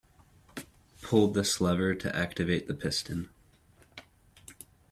Pull this lever to activate the piston.